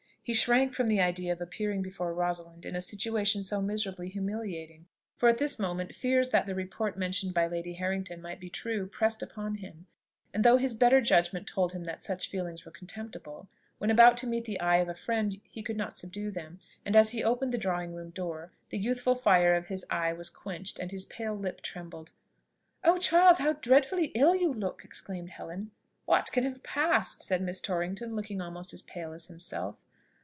He shrank from the idea of appearing before Rosalind in a situation so miserably humiliating, for at this moment fears that the report mentioned by Lady Harrington might be true pressed upon him; and though his better judgment told him that such feelings were contemptible, when about to meet the eye of a friend he could not subdue them, and as he opened the drawing room door, the youthful fire of his eye was quenched and his pale lip trembled. "Oh! Charles, how dreadfully ill you look!" exclaimed Helen. "What can have passed?" said Miss Torrington, looking almost as pale himself.